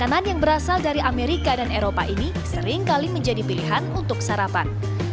makanan yang berasal dari amerika dan eropa ini seringkali menjadi pilihan untuk sarapan